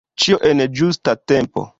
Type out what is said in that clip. Ĉio en ĝusta tempo.